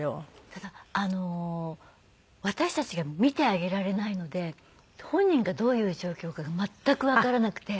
ただ私たちが診てあげられないので本人がどういう状況かが全くわからなくて。